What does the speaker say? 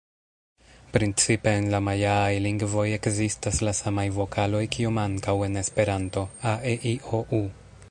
Principe en la majaaj lingvoj ekzistas la samaj vokaloj kiom ankaŭ en Esperanto: a-e-i-o-u.